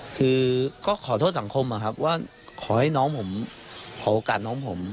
คือก็ขอโทษสังคมอะครับว่าขอให้น้องผมขอโอกาสน้องผม